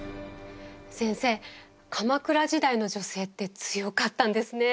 先生鎌倉時代の女性って強かったんですね。